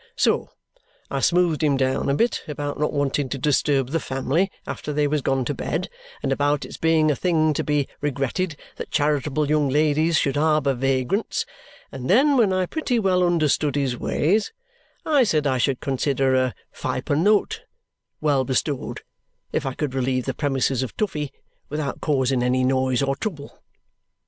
So I smoothed him down a bit about not wanting to disturb the family after they was gone to bed and about its being a thing to be regretted that charitable young ladies should harbour vagrants; and then, when I pretty well understood his ways, I said I should consider a fypunnote well bestowed if I could relieve the premises of Toughey without causing any noise or trouble.